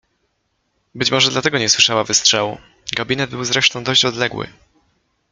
"Być może dlatego nie słyszała wystrzału, gabinet był zresztą dość odległy."